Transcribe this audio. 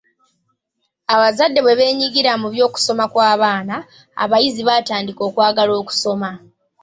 Abazadde bwe beenyigira mu by'okusoma kw'abaana, abayizi batandika okwagala okusoma.